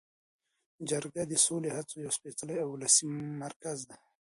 جرګه د سولې د هڅو یو سپیڅلی او ولسي مرکز دی.